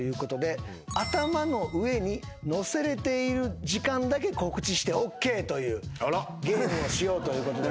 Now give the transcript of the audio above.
頭の上にのせられている時間だけ告知してＯＫというゲームをしようということで。